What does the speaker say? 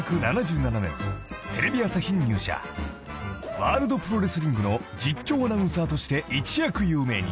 ［『ワールドプロレスリング』の実況アナウンサーとして一躍有名に］